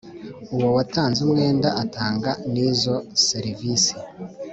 uwo watanze umwenda atanga n izo serivisi